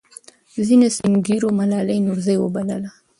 ځینې سپین ږیرو ملالۍ نورزۍ وبلله.